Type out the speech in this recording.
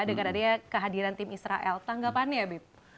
dekat adanya kehadiran tim israel tanggal apaan ya bib